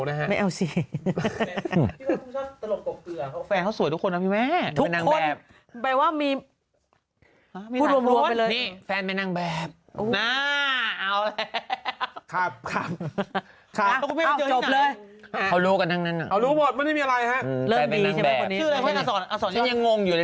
นะฮะไม่เอาสิหมดทุกคนทุกคนว่ามีแฟนแม่นางแบบนะเอาแหละ